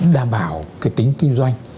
đảm bảo cái tính kinh doanh